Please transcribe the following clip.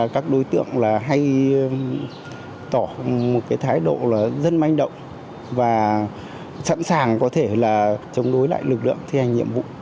các đối tượng là hay tỏ một cái thái độ là rất manh động và sẵn sàng có thể là chống đối lại lực lượng thi hành nhiệm vụ